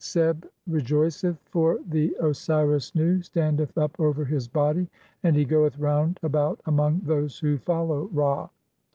Seb rejoiceth, for the Osiris Nu standeth up over his "body, [and he goeth round about among those who follow Ra].